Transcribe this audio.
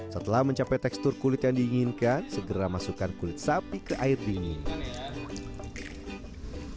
setelah mencapai tekstur kulit yang diinginkan segera masukkan kulit sapi ke air dingin